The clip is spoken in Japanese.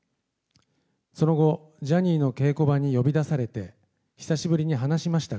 その後、ジャニーの稽古場に呼び出されて、久しぶりに話しました